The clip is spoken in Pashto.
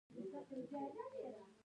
ایا ستاسو وسلې به ماتې شي؟